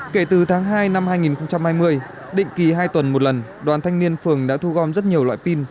kể từ tháng hai năm hai nghìn hai mươi định kỳ hai tuần một lần đoàn thanh niên phường đã thu gom rất nhiều loại pin